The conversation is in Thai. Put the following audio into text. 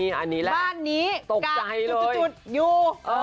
นี่อันนี้แหละบ้านนี้กะจุดอยู่